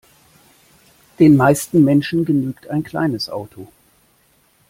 Den meisten Menschen genügt ein kleines Auto.